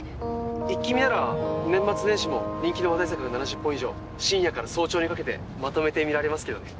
「イッキ見！」なら年末年始も人気の話題作が７０本以上深夜から早朝にかけてまとめて見られますけどね。